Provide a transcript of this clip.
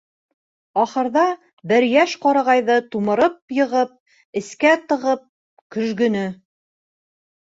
Ахырҙа бер йәш ҡарағайҙы тумырып йығып, эскә тығып, көжгөнө.